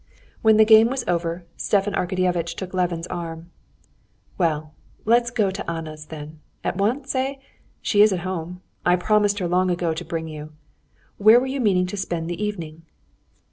When the game was over, Stepan Arkadyevitch took Levin's arm. "Well, let us go to Anna's, then. At once? Eh? She is at home. I promised her long ago to bring you. Where were you meaning to spend the evening?"